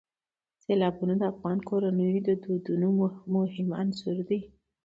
سیلابونه د افغان کورنیو د دودونو مهم عنصر دی.